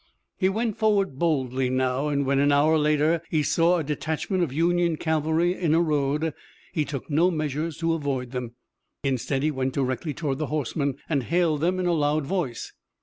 He went forward boldly now, and, when an hour later he saw a detachment of Union cavalry in a road, he took no measures to avoid them. Instead he went directly toward the horsemen and hailed them in a loud voice.